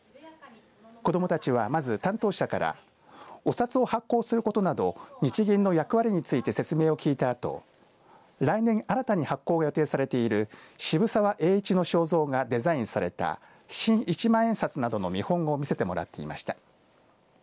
子どもたちはまず担当者からお札を発行することなど日銀の役割について説明を聞いたあと来年新たに発行が予定されている渋沢栄一の肖像がデザインされた新一万円札などの見本を見せてもらっていました。